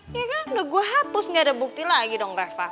iya kan udah gue hapus gak ada bukti lagi dong refa